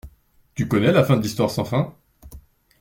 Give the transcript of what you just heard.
Tu connais la fin de l'Histoire sans Fin?